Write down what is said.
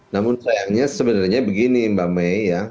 namun sayangnya sebenarnya begini mbak may ya